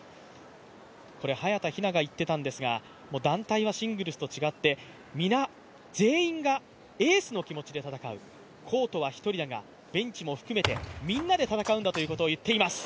早田ひなが言っていたんですが団体はシングルスと違って皆、全員がエースの気持ちで戦う、コートは１人だがベンチも含めて、みんなで戦うんだということを言っています。